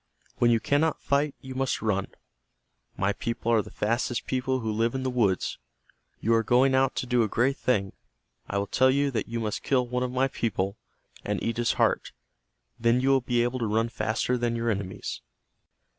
When you cannot fight you must run. My people are the fastest people who live in the woods. You are going out to do a great thing. I will tell you that you must kill one of my people, and eat his heart. Then you will be able to run faster than your enemies."